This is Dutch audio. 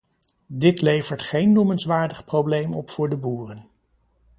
Dit levert geen noemenswaardig probleem op voor de boeren.